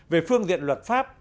về phương diện luật pháp